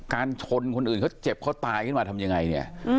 ชนคนอื่นเขาเจ็บเขาตายขึ้นมาทำยังไงเนี่ย